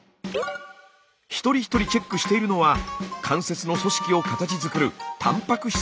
一人一人チェックしているのは関節の組織を形づくるたんぱく質。